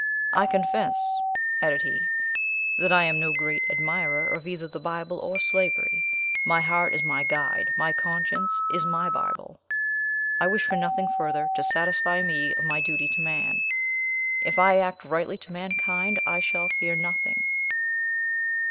"I confess," added he, "that I am no great admirer of either the Bible or slavery. My heart is my guide: my conscience is my Bible. I wish for nothing further to satisfy me of my duty to man. If I act rightly to mankind, I shall fear nothing."